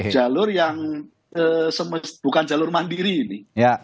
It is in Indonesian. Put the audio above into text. jalur yang bukan jalur mandiri ini